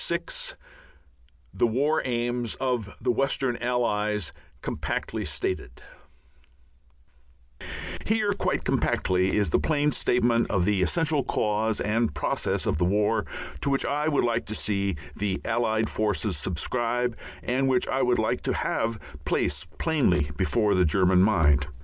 VI THE WAR AIMS OF THE WESTERN ALLIES Here, quite compactly, is the plain statement of the essential cause and process of the war to which I would like to see the Allied Foreign Offices subscribe, and which I would like to have placed plainly before the German mind.